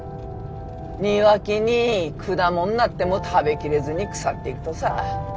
庭木に果物なっても食べきれずに腐っていくとさ。